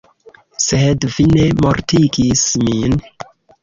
Sed vi ne mortigis min.